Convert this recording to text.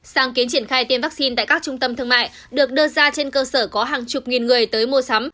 sáng kiến triển khai tiêm vaccine tại các trung tâm thương mại được đưa ra trên cơ sở có hàng chục nghìn người tới mua sắm